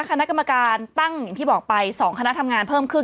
คณะกรรมการตั้งอย่างที่บอกไป๒คณะทำงานเพิ่มขึ้น